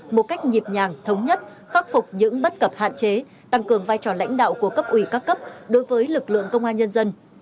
một cách nhịp nhàng thống nhất khắc phục những bất cập hạn chế tăng cường vai trò lãnh đạo của cấp ủy các cấp đối với lực lượng công an nhân dân